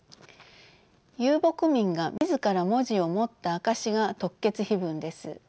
遊牧民が自ら文字を持った証しが突厥碑文です。